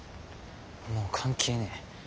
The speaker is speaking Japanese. もう関係ねえ。